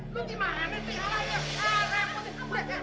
lu gimana tinggal aja